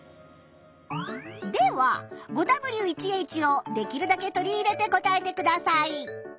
では５Ｗ１Ｈをできるだけ取り入れて答えてください。